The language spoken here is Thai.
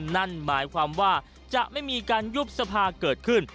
นั่นหมายความว่าจะไม่มีการยุบสภาเกิดขึ้น